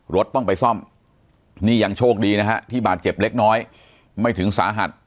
รถต้องไปซ่อมนี่ยังโชคดีนะฮะที่บาดเจ็บเล็กน้อยไม่ถึงสาหัส